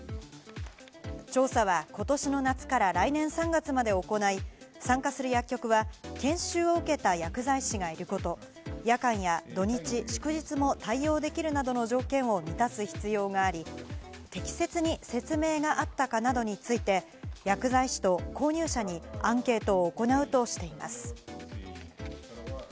調査はことしの夏から来年３月まで行い、参加する薬局は研修を受けた薬剤師がいること、夜間や土日祝日も対応できるなどの条件を満たす必要があり、適切に説明があったかなどについて薬剤師と購入者にアンケートを行うとしています。